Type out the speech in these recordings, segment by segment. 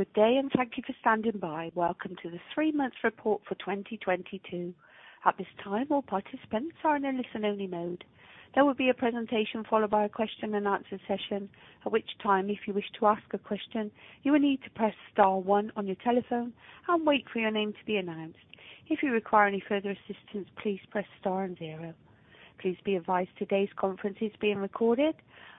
Good day, and thank you for standing by. Welcome to the three-month report for 2022. At this time, all participants are in a listen-only mode. There will be a presentation followed by a question and answer session, at which time, if you wish to ask a question, you will need to press star one on your telephone and wait for your name to be announced. If you require any further assistance, please press star and zero. Please be advised today's conference is being recorded.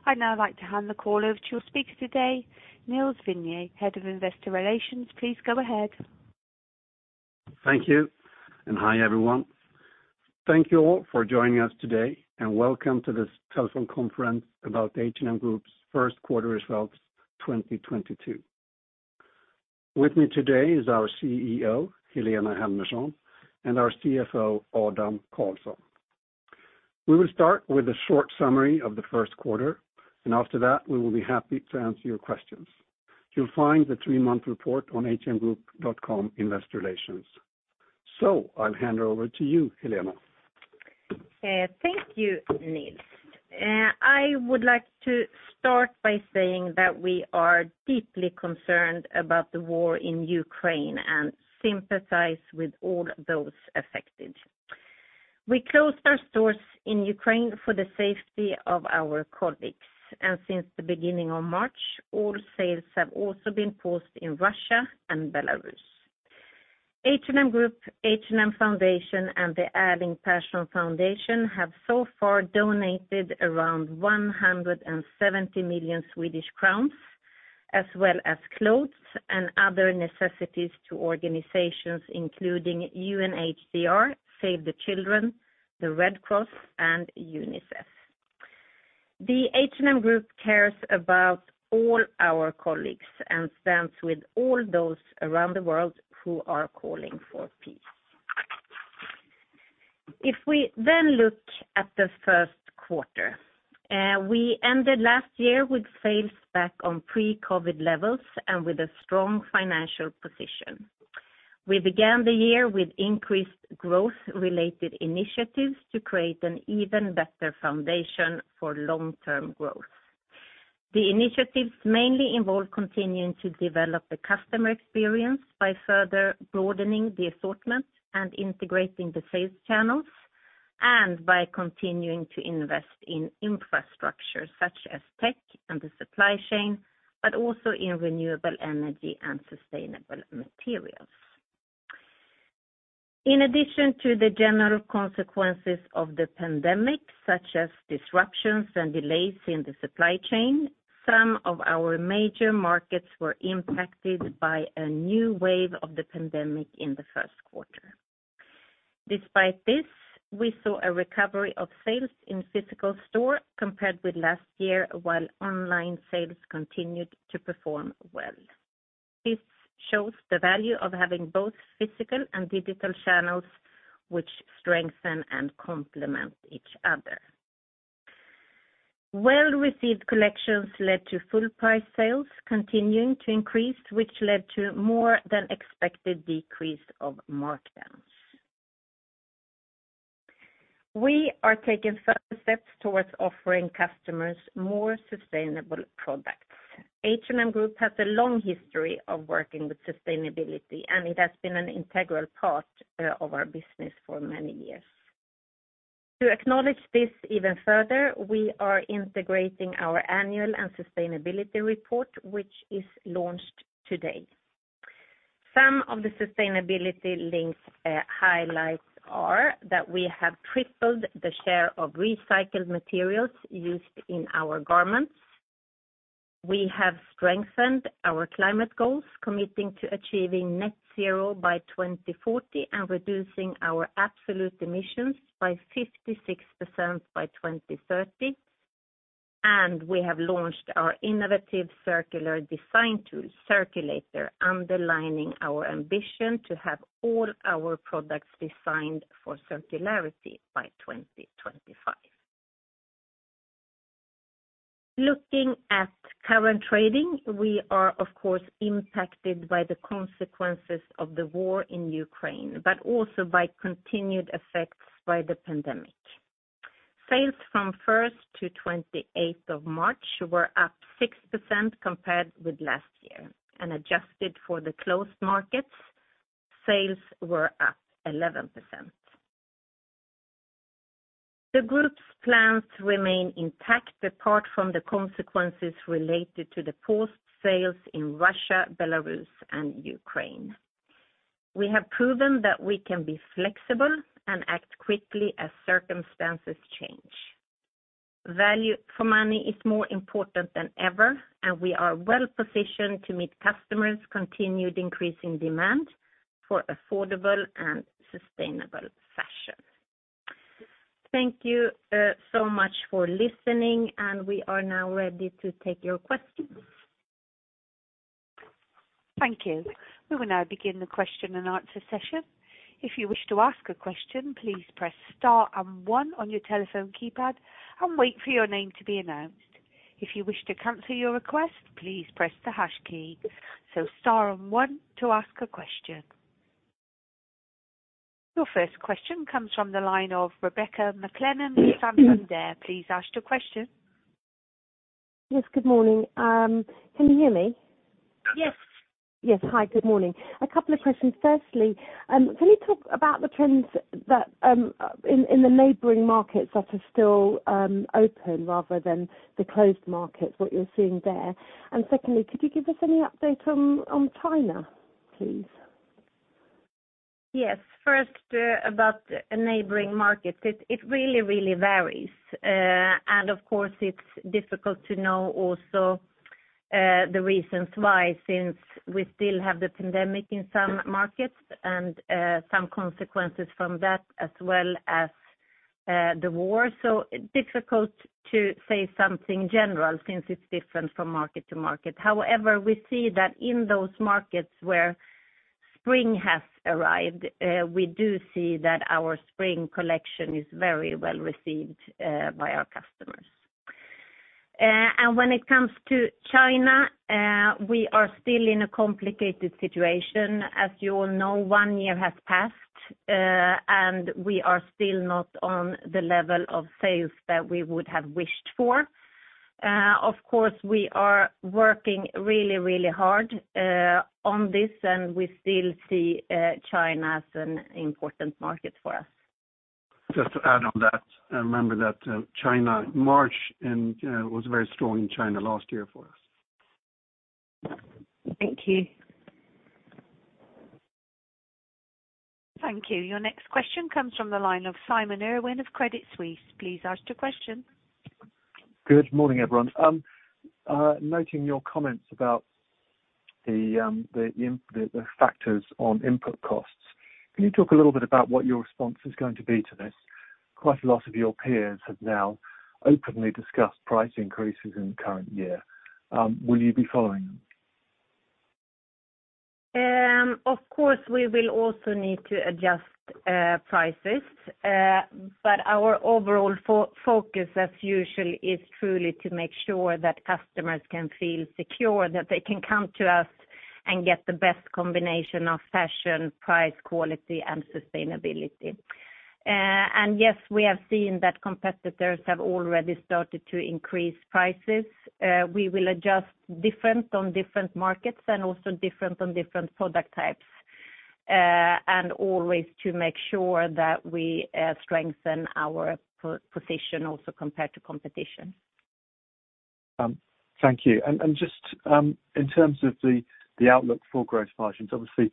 I'd now like to hand the call over to your speaker today, Nils Vinge, Head of Investor Relations. Please go ahead. Thank you, and hi, everyone. Thank you all for joining us today and welcome to this telephone conference about H&M Group's first quarter results 2022. With me today is our CEO, Helena Helmersson, and our CFO, Adam Karlsson. We will start with a short summary of the first quarter, and after that, we will be happy to answer your questions. You'll find the three-month report on hmgroup.com investor relations. I'll hand over to you, Helena. Thank you, Nils Vinge. I would like to start by saying that we are deeply concerned about the war in Ukraine and sympathize with all those affected. We closed our stores in Ukraine for the safety of our colleagues, and since the beginning of March, all sales have also been paused in Russia and Belarus. H&M Group, H&M Foundation, and the Erling-Persson Foundation have so far donated around 170 million Swedish crowns, as well as clothes and other necessities to organizations including UNHCR, Save the Children, the Red Cross, and UNICEF. The H&M Group cares about all our colleagues and stands with all those around the world who are calling for peace. If we then look at the first quarter, we ended last year with sales back on pre-COVID levels and with a strong financial position. We began the year with increased growth-related initiatives to create an even better foundation for long-term growth. The initiatives mainly involve continuing to develop the customer experience by further broadening the assortment and integrating the sales channels and by continuing to invest in infrastructure such as tech and the supply chain, but also in renewable energy and sustainable materials. In addition to the general consequences of the pandemic, such as disruptions and delays in the supply chain, some of our major markets were impacted by a new wave of the pandemic in the first quarter. Despite this, we saw a recovery of sales in physical store compared with last year, while online sales continued to perform well. This shows the value of having both physical and digital channels which strengthen and complement each other. Well-received collections led to full price sales continuing to increase, which led to more than expected decrease of markdowns. We are taking further steps towards offering customers more sustainable products. H&M Group has a long history of working with sustainability, and it has been an integral part of our business for many years. To acknowledge this even further, we are integrating our annual and sustainability report, which is launched today. Some of the sustainability links, highlights are that we have tripled the share of recycled materials used in our garments. We have strengthened our climate goals, committing to achieving net zero by 2040 and reducing our absolute emissions by 56% by 2030. We have launched our innovative circular design tool, Circulator, underlining our ambition to have all our products designed for circularity by 2025. Looking at current trading, we are of course impacted by the consequences of the war in Ukraine, but also by continued effects by the pandemic. Sales from 1st to 28th of March were up 6% compared with last year. Adjusted for the closed markets, sales were up 11%. The group's plans remain intact apart from the consequences related to the lost sales in Russia, Belarus, and Ukraine. We have proven that we can be flexible and act quickly as circumstances change. Value for money is more important than ever, and we are well-positioned to meet customers' continued increasing demand for affordable and sustainable fashion. Thank you, so much for listening, and we are now ready to take your questions. Thank you. We will now begin the question and answer session. If you wish to ask a question, please press star and one on your telephone keypad and wait for your name to be announced. If you wish to cancel your request, please press the hash key. Star and one to ask a question. Your first question comes from the line of Rebecca McClellan with Sanford C. Bernstein. Please ask your question. Yes, good morning. Can you hear me? Yes. Yes. Hi, good morning. A couple of questions. Firstly, can you talk about the trends that in the neighboring markets that are still open rather than the closed markets, what you're seeing there? Secondly, could you give us any update on China, please? Yes. First, about the neighboring markets. It really varies. Of course it's difficult to know also the reasons why, since we still have the pandemic in some markets and some consequences from that as well as the war. Difficult to say something general since it's different from market to market. However, we see that in those markets where spring has arrived, we do see that our spring collection is very well received by our customers. When it comes to China, we are still in a complicated situation. As you all know, one year has passed, and we are still not on the level of sales that we would have wished for. Of course, we are working really hard on this, and we still see China as an important market for us. Just to add on that, remember that China in March and was very strong in China last year for us. Thank you. Thank you. Your next question comes from the line of Simon Irwin of Credit Suisse. Please ask your question. Good morning, everyone. Noting your comments about the factors on input costs, can you talk a little bit about what your response is going to be to this? Quite a lot of your peers have now openly discussed price increases in the current year. Will you be following them? Of course we will also need to adjust prices. Our overall focus, as usual, is truly to make sure that customers can feel secure, that they can come to us and get the best combination of fashion, price, quality, and sustainability. Yes, we have seen that competitors have already started to increase prices. We will adjust differently on different markets and also differently on different product types and always to make sure that we strengthen our position also compared to competition. Thank you. Just in terms of the outlook for gross margins, obviously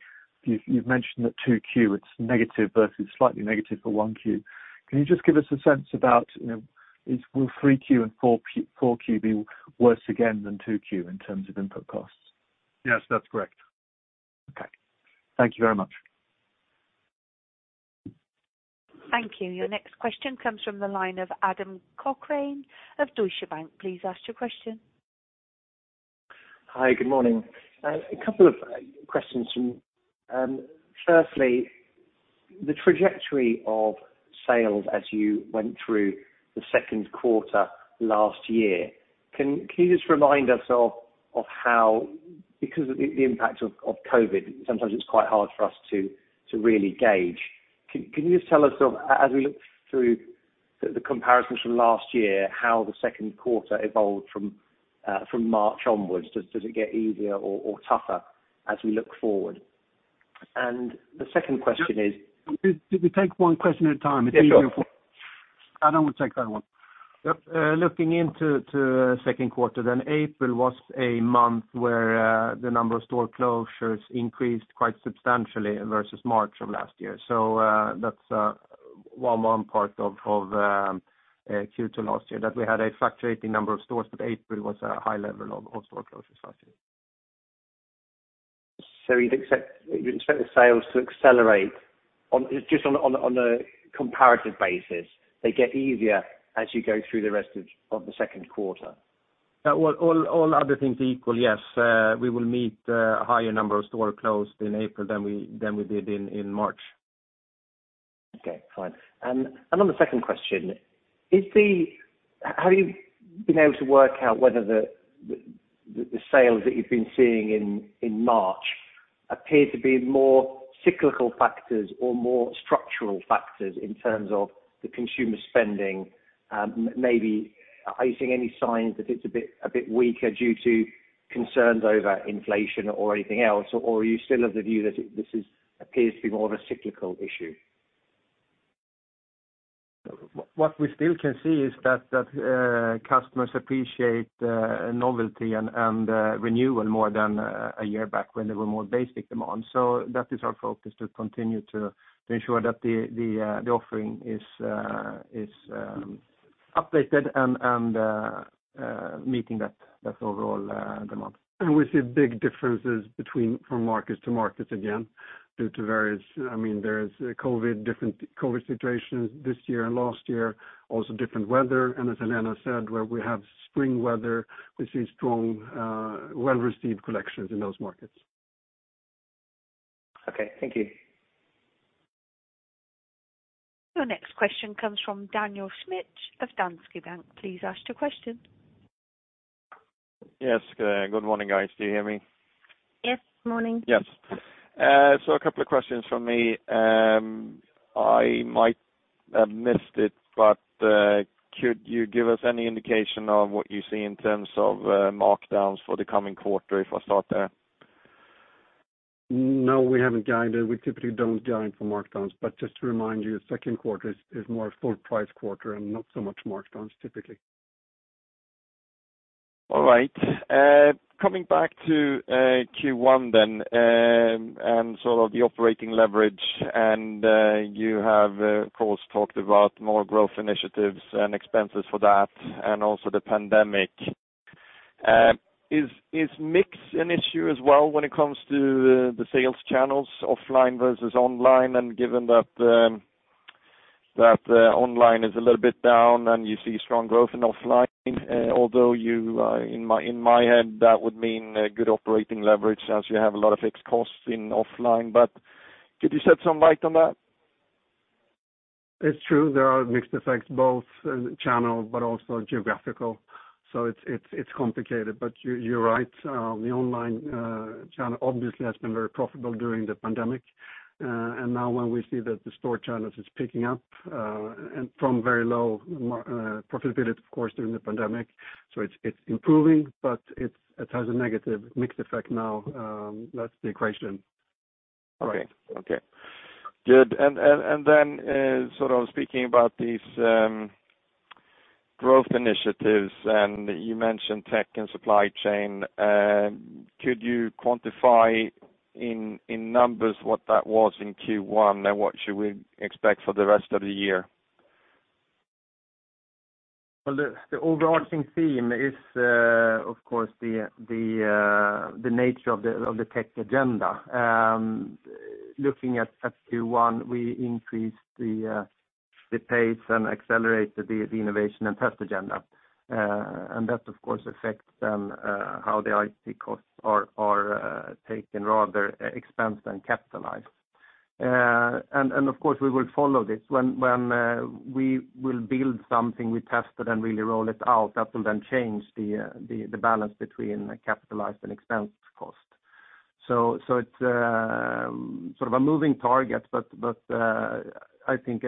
you've mentioned that 2Q it's negative versus slightly negative for 1Q. Can you just give us a sense about, you know, will 3Q and 4Q be worse again than 2Q in terms of input costs? Yes, that's correct. Okay. Thank you very much. Thank you. Your next question comes from the line of Adam Cochrane of Deutsche Bank. Please ask your question. Hi, good morning. A couple of questions. Firstly, the trajectory of sales as you went through the second quarter last year, can you just remind us of how because of the impact of COVID, sometimes it's quite hard for us to really gauge. Can you just tell us as we look through the comparisons from last year, how the second quarter evolved from March onwards? Does it get easier or tougher as we look forward? The second question is- Could we take one question at a time? It's easier for- Yeah, sure. Adam will take that one. Yep. Looking into the second quarter, April was a month where the number of store closures increased quite substantially versus March of last year. That's one part of Q2 last year that we had a fluctuating number of stores, but April was a high level of store closures last year. You'd expect the sales to accelerate just on a comparative basis. They get easier as you go through the rest of the second quarter. Well, all other things equal, yes. We will meet a higher number of stores closed in April than we did in March. Okay, fine. On the second question, have you been able to work out whether the sales that you've been seeing in March appear to be more cyclical factors or more structural factors in terms of the consumer spending? Maybe are you seeing any signs that it's a bit weaker due to concerns over inflation or anything else, or you still have the view that this appears to be more of a cyclical issue? What we still can see is that customers appreciate novelty and renewal more than a year back when there were more basic demands. That is our focus to continue to ensure that the offering is updated and meeting that overall demand. We see big differences from markets to markets again due to, I mean, COVID, different COVID situations this year and last year, also different weather. As Helena said, where we have spring weather, we see strong well-received collections in those markets. Okay, thank you. Your next question comes from Daniel Schmidt of Danske Bank. Please ask your question. Yes. Good morning, guys. Do you hear me? Yes, morning. Yes. A couple of questions from me. I might have missed it, but could you give us any indication on what you see in terms of markdowns for the coming quarter, if I start there? No, we haven't guided. We typically don't guide for markdowns. Just to remind you, second quarter is more a full price quarter and not so much markdowns, typically. All right. Coming back to Q1 then, and sort of the operating leverage. You have of course talked about more growth initiatives and expenses for that, and also the pandemic. Is mix an issue as well when it comes to the sales channels, offline versus online? Given that the online is a little bit down and you see strong growth in offline, although in my head that would mean a good operating leverage, since you have a lot of fixed costs in offline. Could you shed some light on that? It's true, there are mixed effects, both in channel but also geographical. It's complicated. You're right. The online channel obviously has been very profitable during the pandemic. And now when we see that the store channels is picking up and from very low profitability, of course, during the pandemic. It's improving, but it has a negative mix effect now, that's the equation. All right. Okay. Good. Sort of speaking about these growth initiatives, and you mentioned tech and supply chain, could you quantify in numbers what that was in Q1, and what should we expect for the rest of the year? The overarching theme is, of course, the nature of the tech agenda. Looking at Q1, we increased the pace and accelerated the innovation and test agenda. That, of course, affects how the IT costs are taken, rather expensed than capitalized. Of course, we will follow this. When we will build something, we test it and really roll it out, that will then change the balance between the capitalized and expensed cost. It's sort of a moving target, but I think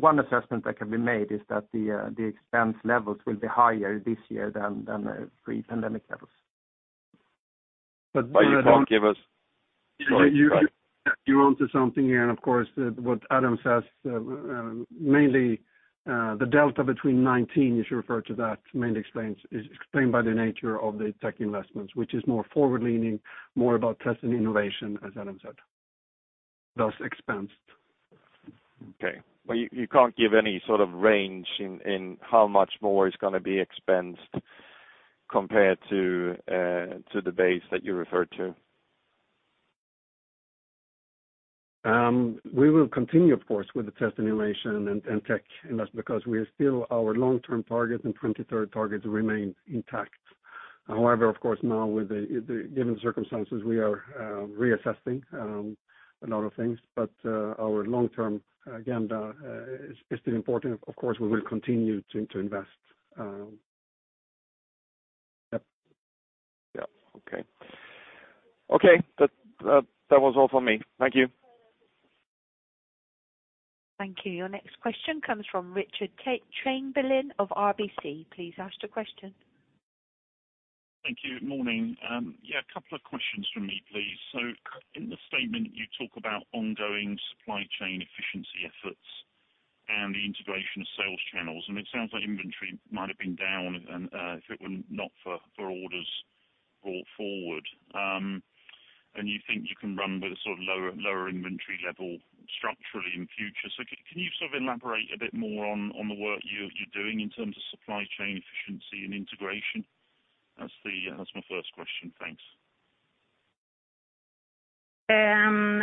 one assessment that can be made is that the expense levels will be higher this year than the pre-pandemic levels. You can't give us- You're onto something here, and of course, what Adam says, mainly the delta between 19, as you refer to that, is explained by the nature of the tech investments, which is more forward-leaning, more about testing and innovation, as Adam said, thus expensed. Okay. You can't give any sort of range in how much more is gonna be expensed compared to the base that you referred to? We will continue, of course, with the test and innovation and tech investment because we are still our long-term target and 2023 targets remain intact. However, of course, now with the given circumstances, we are reassessing a lot of things. Our long-term agenda is still important. Of course, we will continue to invest. Yep. Okay. That was all for me. Thank you. Thank you. Your next question comes from Richard Chamberlain of RBC. Please ask the question. Thank you. Morning. Yeah, a couple of questions from me, please. In the statement, you talk about ongoing supply chain efficiency efforts and the integration of sales channels, and it sounds like inventory might have been down and, if it were not for orders brought forward. You think you can run with a sort of lower inventory level structurally in future. Can you sort of elaborate a bit more on the work you're doing in terms of supply chain efficiency and integration? That's my first question. Thanks.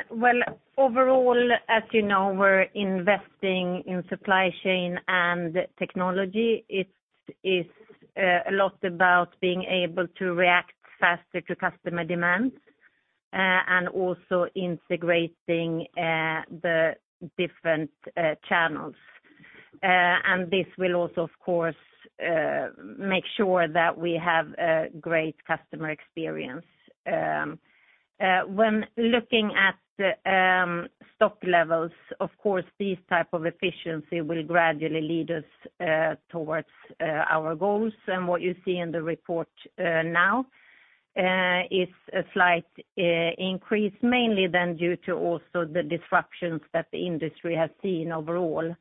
Well, overall, as you know, we're investing in supply chain and technology. It is a lot about being able to react faster to customer demands and also integrating the different channels. This will also, of course, make sure that we have a great customer experience. When looking at the stock levels, of course, these type of efficiency will gradually lead us towards our goals. What you see in the report now is a slight increase, mainly then due to also the disruptions that the industry has seen overall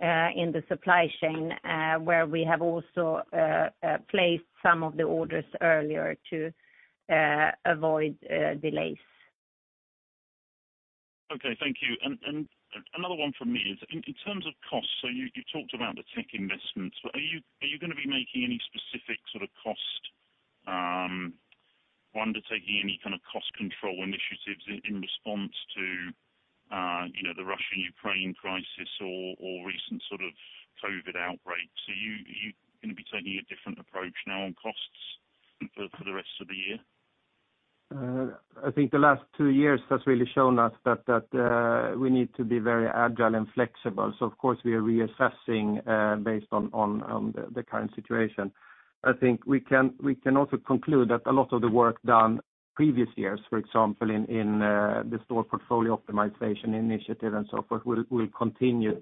in the supply chain, where we have also placed some of the orders earlier to avoid delays. Okay, thank you. Another one from me is in terms of costs. You talked about the tech investments, but are you gonna be making any specific sort of cost or undertaking any kind of cost control initiatives in response to the Russia-Ukraine crisis or recent sort of COVID outbreaks? Are you gonna be taking a different approach now on costs for the I think the last two years has really shown us that we need to be very agile and flexible. Of course, we are reassessing based on the current situation. I think we can also conclude that a lot of the work done previous years, for example, in the store portfolio optimization initiative and so forth, will continue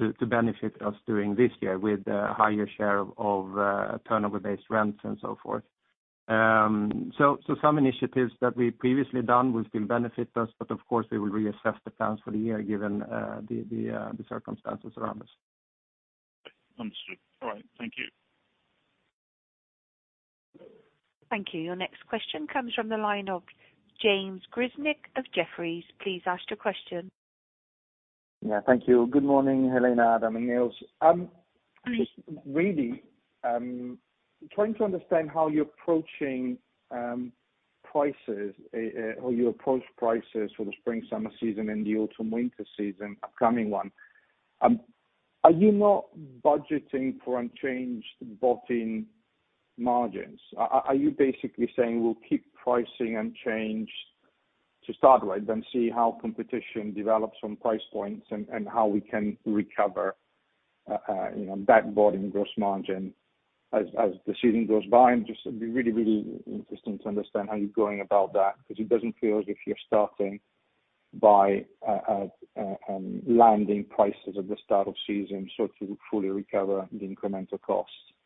to benefit us during this year with a higher share of turnover-based rents and so forth. Some initiatives that we previously done will still benefit us, but of course, we will reassess the plans for the year given the circumstances around us. Understood. All right. Thank you. Thank you. Your next question comes from the line of James Grzinic of Jefferies. Please ask your question. Yeah, thank you. Good morning, Helena, Adam, and Nils. Just really trying to understand how you're approaching prices or you approach prices for the spring/summer season and the autumn/winter season, upcoming one. Are you not budgeting for unchanged gross margins? Are you basically saying we'll keep pricing unchanged to start with, then see how competition develops from price points and how we can recover that gross margin as the season goes by? I'm just really interested to understand how you're going about that because it doesn't feel as if you're starting by landing prices at the start of season, so to fully recover the incremental costs. No,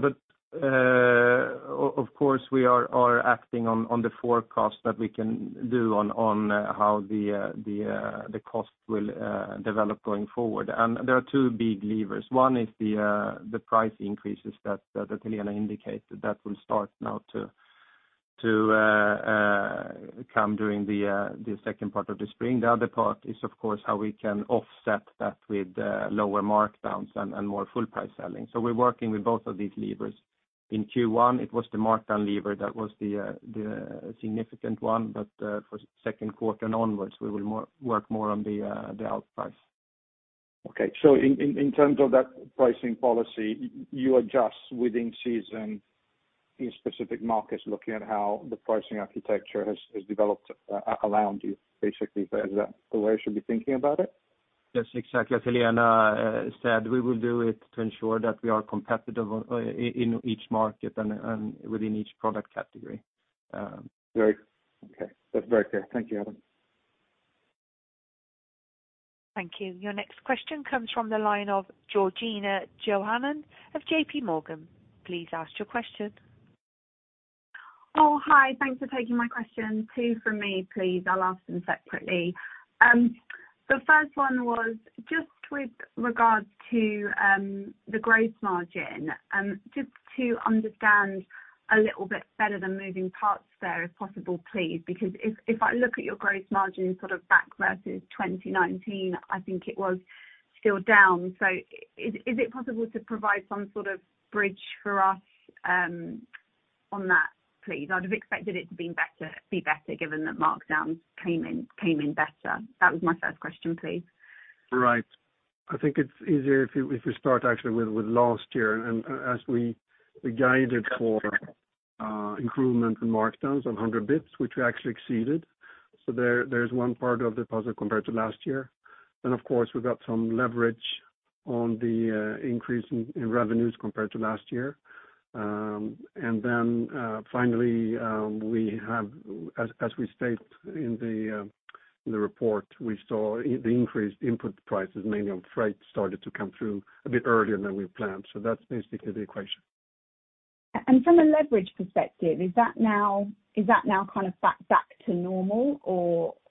but of course, we are acting on the forecast that we can do on how the cost will develop going forward. There are two big levers. One is the price increases that Helena indicated. That will start now to come during the second part of the spring. The other part is, of course, how we can offset that with lower markdowns and more full price selling. We're working with both of these levers. In Q1, it was the markdown lever that was the significant one. For second quarter and onwards, we will work more on the full price. Okay. In terms of that pricing policy, you adjust within season in specific markets, looking at how the pricing architecture has developed around you, basically. Is that the way I should be thinking about it? Yes, exactly. As Helena said, we will do it to ensure that we are competitive in each market and within each product category. Okay. That's very clear. Thank you, Adam. Thank you. Your next question comes from the line of Georgina Johanan of JP Morgan. Please ask your question. Thanks for taking my question. Two from me, please. I'll ask them separately. The first one was just with regards to the gross margin. Just to understand a little bit better the moving parts there, if possible, please. Because if I look at your gross margin sort of back versus 2019, I think it was still down. Is it possible to provide some sort of bridge for us, on that, please? I'd have expected it to be better given that markdowns came in better. That was my first question, please. Right. I think it's easier if you start actually with last year. As we guided for improvement in markdowns of 100 basis points, which we actually exceeded. There is one part of the delta compared to last year. Of course, we got some leverage on the increase in revenues compared to last year. We have, as we state in the report, we saw the increased input prices, mainly on freight, started to come through a bit earlier than we planned. That's basically the equation. From a leverage perspective, is that now kind of back to normal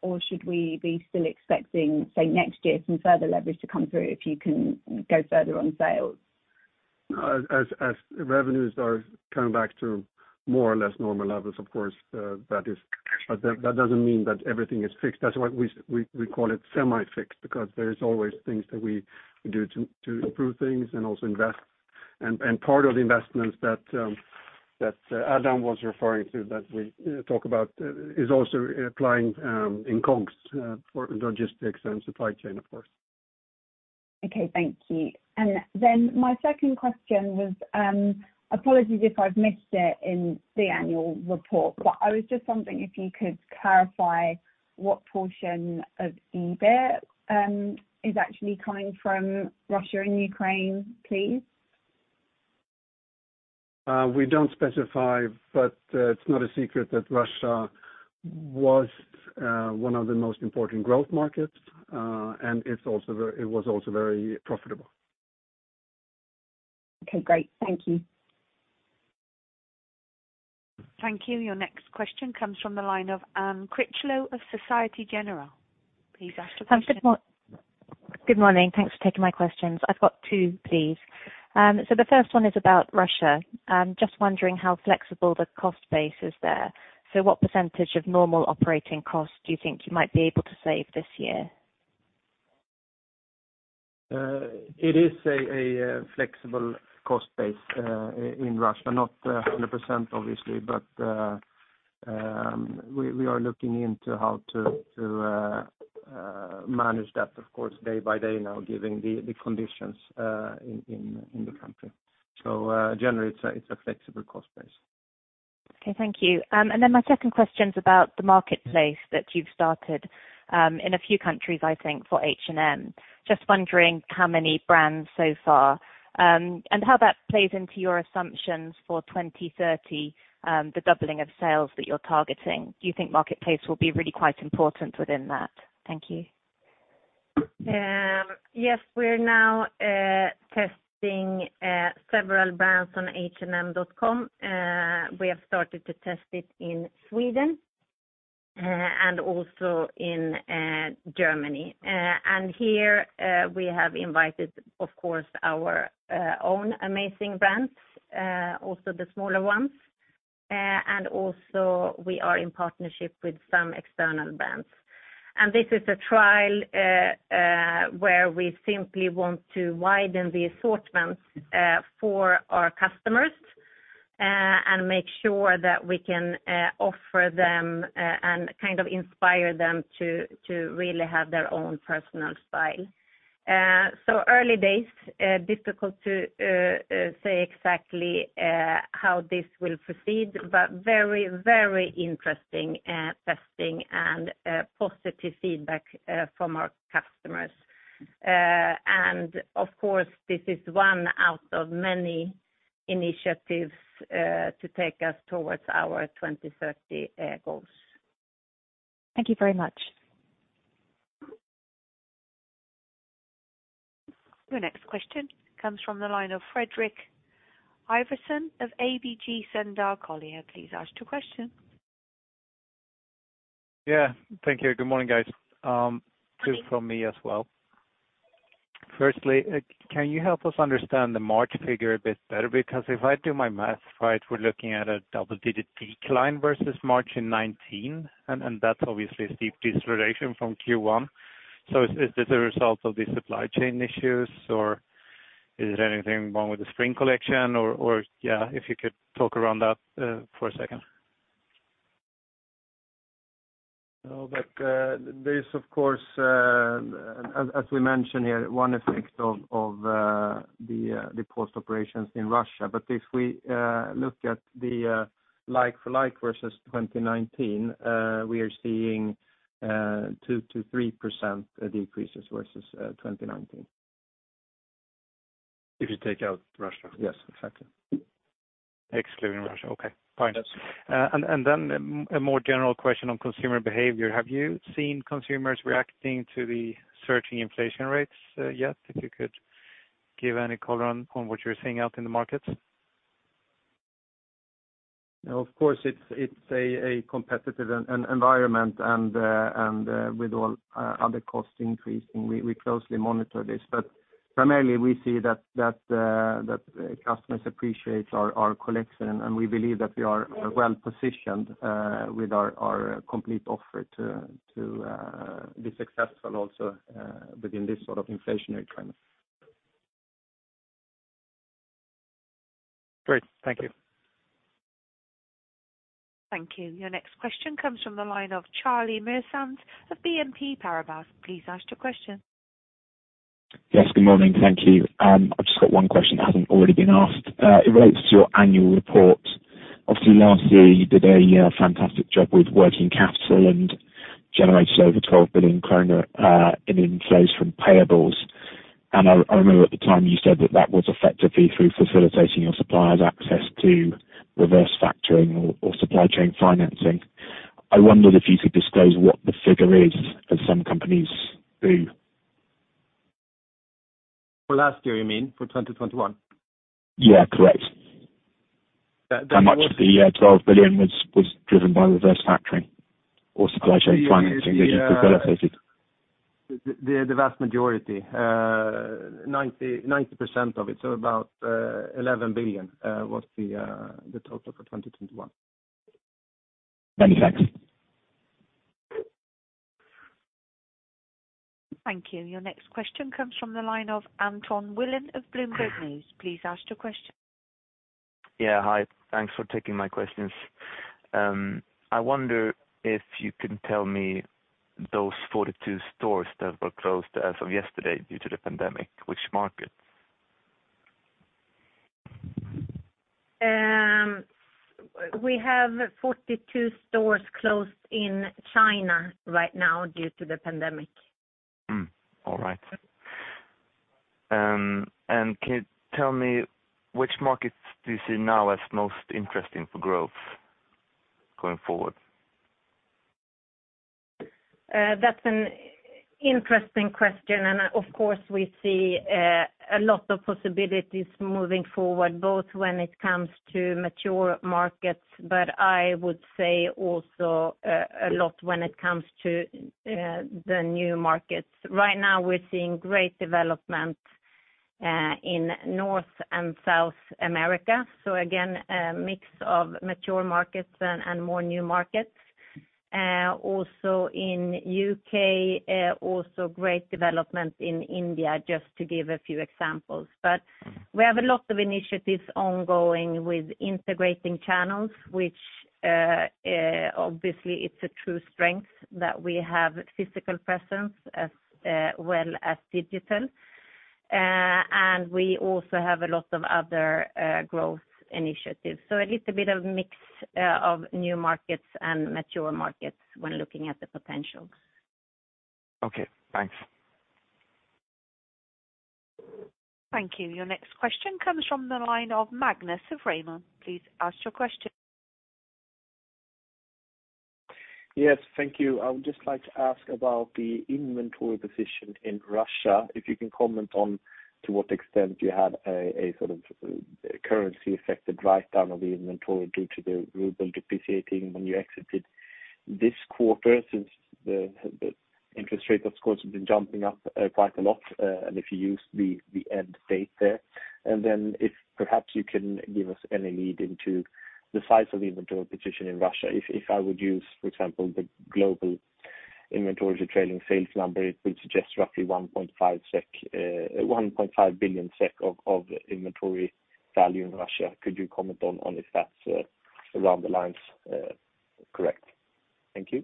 or should we be still expecting, say, next year, some further leverage to come through if you can go further on sales? As revenues are coming back to more or less normal levels, of course. But that doesn't mean that everything is fixed. That's why we call it semi-fixed, because there is always things that we do to improve things and also invest. Part of the investments that Adam was referring to that we talk about is also applying in COGS for logistics and supply chain, of course. Thank you. My second question was, apologies if I've missed it in the annual report, but I was just wondering if you could clarify what portion of EBIT is actually coming from Russia and Ukraine, please? We don't specify, but it's not a secret that Russia was one of the most important growth markets. It was also very profitable. Okay, great. Thank you. Thank you. Your next question comes from the line of Anne Critchlow of Société Générale. Please ask the question. Good morning. Thanks for taking my questions. I've got two, please. The first one is about Russia. Just wondering how flexible the cost base is there. What percentage of normal operating costs do you think you might be able to save this year? It is a flexible cost base in Russia, not 100%, obviously, but we are looking into how to manage that of course day by day now given the conditions in the country. Generally it's a flexible cost base. Okay, thank you. My second question's about the marketplace that you've started in a few countries, I think, for H&M. Just wondering how many brands so far and how that plays into your assumptions for 2030, the doubling of sales that you're targeting. Do you think marketplace will be really quite important within that? Thank you. Yes, we're now testing several brands on h&m.com. We have started to test it in Sweden and also in Germany. Here we have invited, of course, our own amazing brands, also the smaller ones. Also we are in partnership with some external brands. This is a trial where we simply want to widen the assortments for our customers and make sure that we can offer them and kind of inspire them to really have their own personal style. Early days, difficult to say exactly how this will proceed, but very, very interesting testing and positive feedback from our customers. Of course, this is one out of many initiatives to take us towards our 2030 goals. Thank you very much. The next question comes from the line of Fredrik Ivarsson of ABG Sundal Collier. Please ask your question. Yeah. Thank you. Good morning, guys. Two from me as well. Firstly, can you help us understand the March figure a bit better? Because if I do my math right, we're looking at a double-digit decline versus March 2019, and that's obviously a steep deceleration from Q1. Is this a result of the supply chain issues, or is there anything wrong with the spring collection? Or yeah, if you could talk around that for a second. No, but there is of course, as we mentioned here, one effect of the paused operations in Russia. If we look at the like for like versus 2019, we are seeing 2%-3% decreases versus 2019. If you take out Russia? Yes, exactly. Excluding Russia, okay. Fine. Yes. A more general question on consumer behavior. Have you seen consumers reacting to the surging inflation rates yet? If you could give any color on what you're seeing out in the markets. Of course it's a competitive environment and with all other costs increasing, we closely monitor this. Primarily, we see that customers appreciate our collection, and we believe that we are well positioned with our complete offer to be successful also within this sort of inflationary trends. Great. Thank you. Thank you. Your next question comes from the line of CharlieMuir-Sands of BNP Paribas. Please ask your question. Yes, good morning. Thank you. I've just got one question that hasn't already been asked. It relates to your annual report. Obviously, last year you did a fantastic job with working capital and generated over 12 billion kronor in inflows from payables. I remember at the time you said that that was effectively through facilitating your suppliers' access to reverse factoring or supply chain financing. I wondered if you could disclose what the figure is, as some companies do. For last year you mean, for 2021? Yeah, correct. How much of the 12 billion was driven by reverse factoring or supply chain financing that you facilitated? The vast majority 90% of it, so about 11 billion was the total for 2021. Many thanks. Thank you. Your next question comes from the line of Anton Wilen of Bloomberg News. Please ask your question. Yeah. Hi. Thanks for taking my questions. I wonder if you can tell me those 42 stores that were closed as of yesterday due to the pandemic, which markets? We have 42 stores closed in China right now due to the pandemic. All right. Can you tell me which markets do you see now as most interesting for growth going forward? That's an interesting question. Of course, we see a lot of possibilities moving forward, both when it comes to mature markets, but I would say also a lot when it comes to the new markets. Right now we're seeing great development in North and South America. Again, a mix of mature markets and more new markets. Also in U.K., also great development in India, just to give a few examples. We have a lot of initiatives ongoing with integrating channels, which obviously it's a true strength that we have physical presence as well as digital. We also have a lot of other growth initiatives. A little bit of mix of new markets and mature markets when looking at the potentials. Okay, thanks. Thank you. Your next question comes from the line of Magnus [Raman]. Please ask your question. Yes, thank you. I would just like to ask about the inventory position in Russia. If you can comment on to what extent you had a sort of currency affected write down of the inventory due to the ruble depreciating when you exited this quarter since the interest rate, of course, has been jumping up quite a lot and if you use the end date there. If perhaps you can give us any lead into the size of the inventory position in Russia. If I would use, for example, the global inventory trailing sales number, it would suggest roughly 1.5 billion SEK of inventory value in Russia. Could you comment on if that's along the lines correct? Thank you.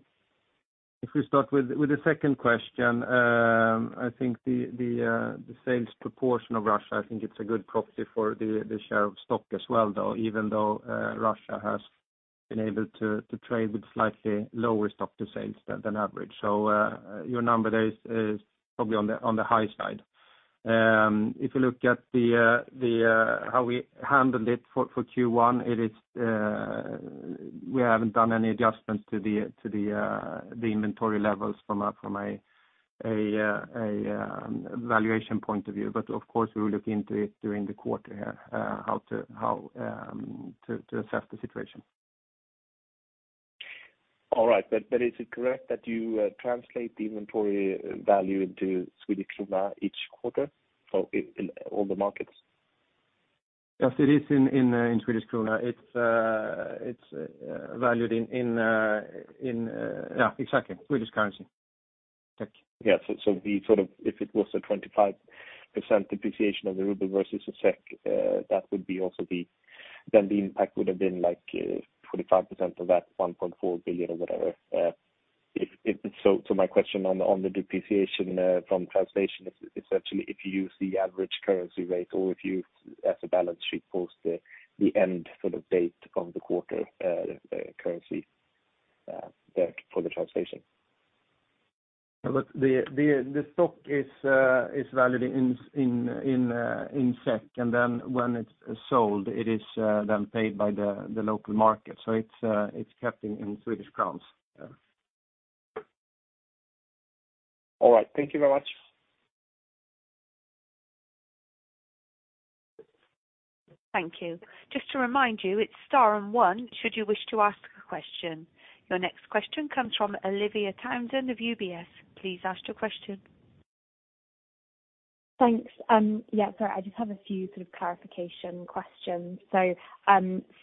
If we start with the second question, I think the sales proportion of Russia, I think it's a good proxy for the stock price as well, though even though Russia has been trading at slightly lower stock to sales than average. Your number there is probably on the high side. If you look at how we handled it for Q1, we haven't done any adjustments to the inventory levels from a valuation point of view. Of course, we will look into it during the quarter how to assess the situation. All right. Is it correct that you translate the inventory value into Swedish krona each quarter for inventory in all the markets? Yes, it is in Swedish krona. It's valued in, yeah, exactly, Swedish currency. Thank you. Yeah. If it was a 25% depreciation of the ruble versus a SEK, that would be also the impact would have been like 25% of that 1.4 billion or whatever. My question on the depreciation from translation is actually if you use the average currency rate or if you as a balance sheet post the end date of the quarter currency there for the translation. The stock is valued in SEK, and then when it's sold, it is then paid by the local market. It's kept in Swedish crowns. Yeah. All right. Thank you very much. Thank you. Just to remind you, it's star and one, should you wish to ask a question. Your next question comes from Olivia Townsend of UBS. Please ask your question. Thanks. Yeah. I just have a few sort of clarification questions.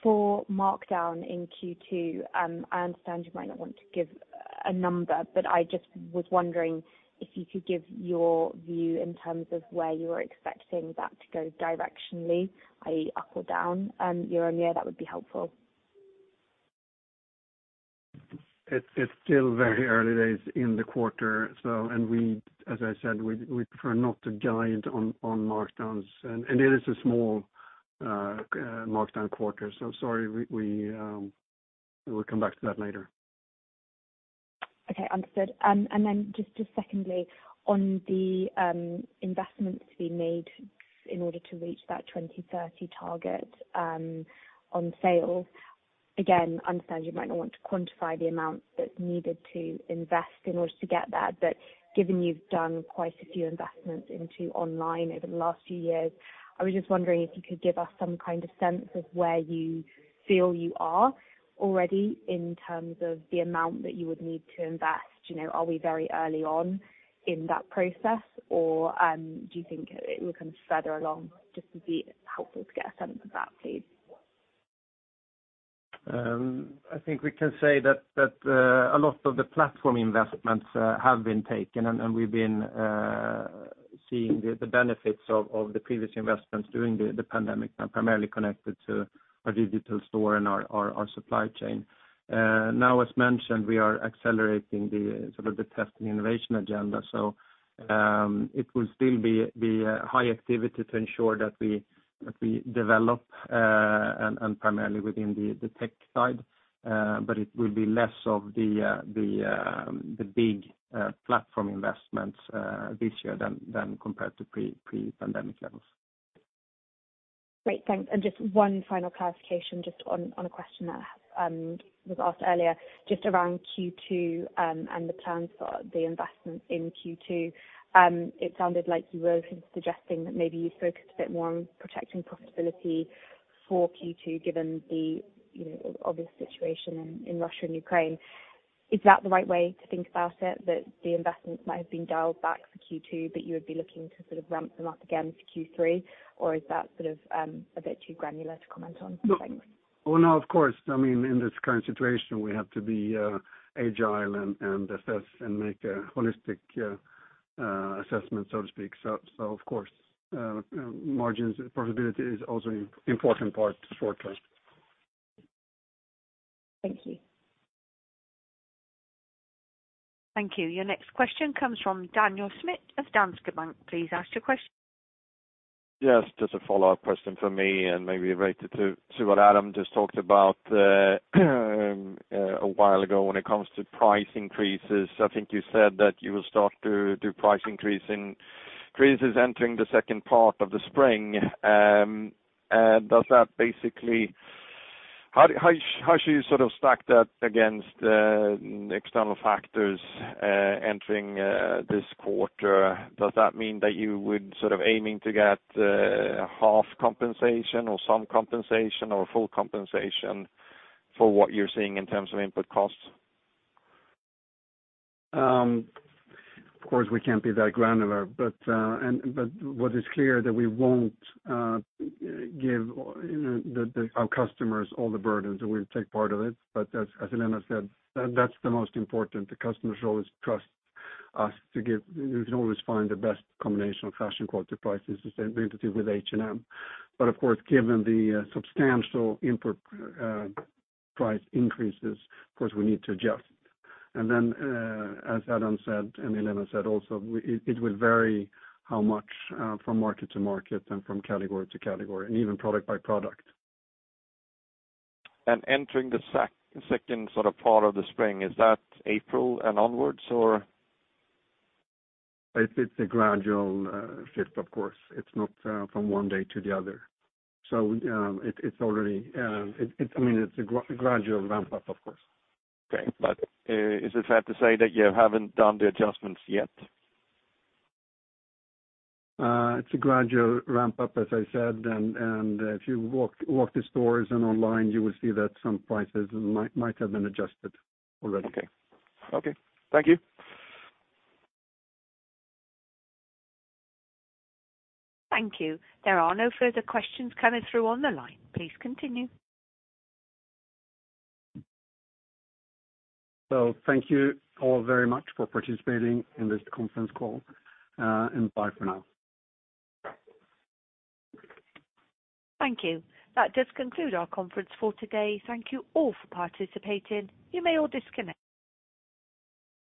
For markdown in Q2, I understand you might not want to give a number, but I just was wondering if you could give your view in terms of where you are expecting that to go directionally, i.e., up or down, year-on-year. That would be helpful. It's still very early days in the quarter, so we, as I said, prefer not to guide on markdowns. It is a small markdown quarter. Sorry. We will come back to that later. Okay, understood. Just secondly, on the investments being made in order to reach that 2030 target on sales. I understand you might not want to quantify the amount that's needed to invest in order to get there, but given you've done quite a few investments into online over the last few years, I was just wondering if you could give us some kind of sense of where you feel you are already in terms of the amount that you would need to invest. You know, are we very early on in that process, or do you think we're kind of further along? It just would be helpful to get a sense of that, please. I think we can say that a lot of the platform investments have been taken, and we've been seeing the benefits of the previous investments during the pandemic, primarily connected to our digital store and our supply chain. Now, as mentioned, we are accelerating the sort of test and innovation agenda. It will still be high activity to ensure that we develop, and primarily within the tech side, but it will be less of the big platform investments this year than compared to pre-pandemic levels. Great. Thanks. Just one final clarification just on a question that was asked earlier, just around Q2 and the plans for the investment in Q2. It sounded like you were sort of suggesting that maybe you focused a bit more on protecting profitability for Q2, given the, you know, obvious situation in Russia and Ukraine. Is that the right way to think about it, that the investments might have been dialed back for Q2, but you would be looking to sort of ramp them up again for Q3? Or is that sort of a bit too granular to comment on? Thanks. Oh, no, of course. I mean, in this current situation, we have to be agile and assess and make a holistic assessment, so to speak. Of course, margins profitability is also important part for us. Thank you. Thank you. Your next question comes from Daniel Schmidt of Danske Bank. Please ask your question. Yes, just a follow-up question from me and maybe related to what Adam just talked about a while ago when it comes to price increases. I think you said that you will start to do price increases entering the second part of the spring. Does that basically how should you sort of stack that against the external factors entering this quarter? Does that mean that you would sort of aiming to get half compensation or some compensation or full compensation for what you're seeing in terms of input costs? Of course, we can't be that granular, but what is clear that we won't give our customers all the burdens, and we'll take part of it. As Helena said, that's the most important. The customers always trust us to give the best combination of fashion, quality, prices, the same thing we do with H&M. Of course, given the substantial input price increases, we need to adjust. As Adam said, and Helena said also, it will vary how much from market to market and from category to category and even product by product. Entering the second sort of part of the spring, is that April and onwards or? It's a gradual shift, of course. It's not from one day to the other. It's already. I mean, it's a gradual ramp up, of course. Okay. Is it fair to say that you haven't done the adjustments yet? It's a gradual ramp up, as I said. If you walk the stores and online, you will see that some prices might have been adjusted already. Okay. Thank you. Thank you. There are no further questions coming through on the line. Please continue. Thank you all very much for participating in this conference call, and bye for now. Thank you. That does conclude our conference for today. Thank you all for participating. You may all disconnect.